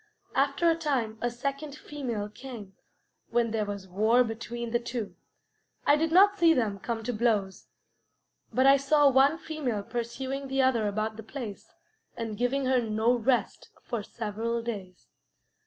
After a time a second female came, when there was war between the two. I did not see them come to blows, but I saw one female pursuing the other about the place, and giving her no rest for several days.